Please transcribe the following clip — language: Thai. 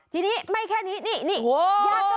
ที่นี้ไม่แค่นี้นี่นี่นี่